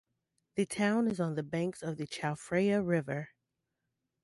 The town is on the banks of the Chao Phraya River.